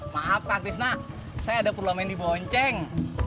maaf kak tisna saya ada perlu main di bonceng